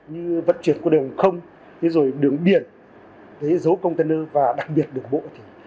như vận chuyển của đường không đường biển dấu container và đặc biệt đường bộ